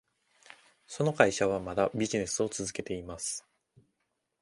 その会社はまだビジネスを続けています。